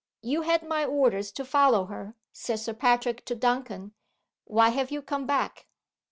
"You had my orders to follow her," said Sir Patrick to Duncan. "Why have you come back?"